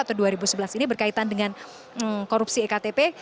ketika sudah kasus ektp ini berkaitan dengan korupsi ektp